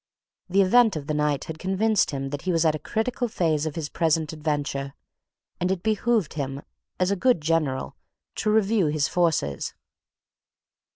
The event of the night had convinced him that he was at a critical phase of his present adventure, and it behoved him, as a good general, to review his forces.